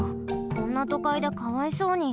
こんなとかいでかわいそうに。